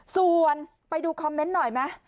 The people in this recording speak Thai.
ควรไปดูคอมเมนต์หน่อยมั้ย